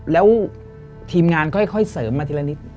แล้วทีมงานค่อยเสริมมาทีละนิด